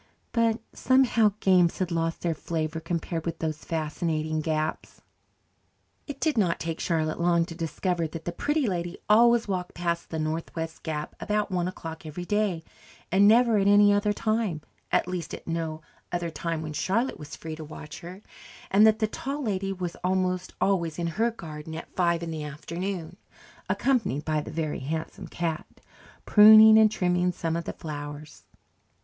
But, somehow, games had lost their flavour compared with those fascinating gaps. It did not take Charlotte long to discover that the Pretty Lady always walked past the northwest gap about one o'clock every day and never at any other time at least at no other time when Charlotte was free to watch her; and that the Tall Lady was almost always in her garden at five in the afternoon, accompanied by the Very Handsome Cat, pruning and trimming some of her flowers.